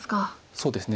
そうですね。